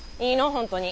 本当に。